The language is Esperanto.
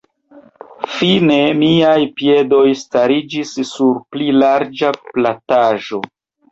Fine miaj piedoj stariĝis sur pli larĝa plataĵo.